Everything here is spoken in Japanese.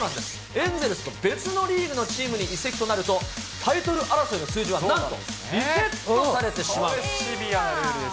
エンゼルスと別のリーグのチームに移籍となると、タイトル争いの数字はなんとリセットされてしまうんです。